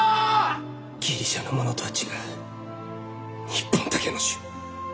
ギリシャのものとは違う日本だけの種！